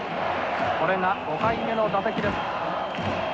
これが５回目の打席です。